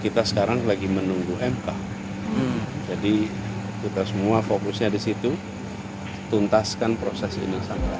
kita sekarang lagi menunggu mk jadi kita semua fokusnya di situ tuntaskan proses ini